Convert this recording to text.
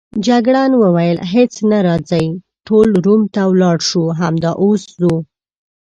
جګړن وویل: هیڅ نه، راځئ ټول روم ته ولاړ شو، همدا اوس ځو.